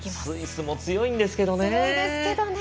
スイスも強いんですけどね。